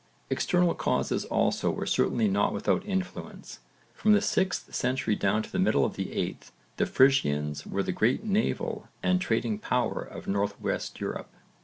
External causes also were certainly not without influence. From the 6th century down to the middle of the 8th, the Frisians were the great naval and trading power of North West Europe.